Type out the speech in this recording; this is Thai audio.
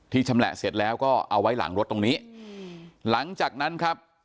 ชำแหละเสร็จแล้วก็เอาไว้หลังรถตรงนี้หลังจากนั้นครับ